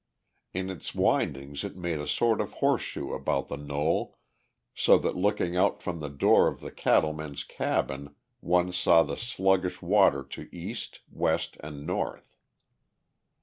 In its windings it made a sort of horseshoe about the knoll so that looking out from the door of the cattle man's cabin one saw the sluggish water to east, west and north.